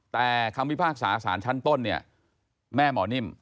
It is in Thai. แต่คำพิพากษาสารชั้นต้นเนี่ยแม่หมอนิ่ม